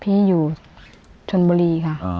พี่อยู่ชนบุรีค่ะ